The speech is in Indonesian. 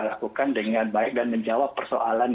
lakukan dengan baik dan menjawab persoalan